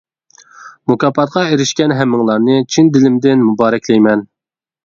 مۇكاپاتقا ئېرىشكەن ھەممىڭلارنى چىن دىلىمدىن مۇبارەكلەيمەن.